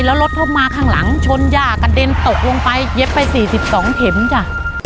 แล้วรถเข้ามาข้างหลังชนย่ากระเด็นตกลงไปเย็บไป๔๒เข็มจ้ะ